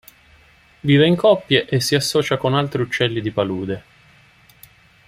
Vive in coppie e si associa con altri uccelli di palude.